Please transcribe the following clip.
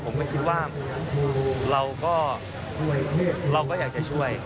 ผมก็คิดว่าเราก็อยากจะช่วย